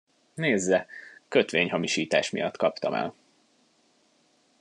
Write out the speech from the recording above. Nézze, kötvényhamisítás miatt kaptam el.